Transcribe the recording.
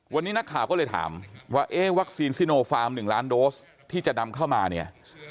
วันนี้นักข่าวก็เลยถามว่าเอ๊ะวัคซีนซิโนฟาร์ม๑ล้านโดสที่จะนำเข้ามาเนี่ย